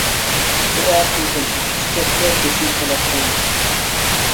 دۇئا قىلغىن، چېكەتكە بېشى تەلەپ قىلمىسۇن.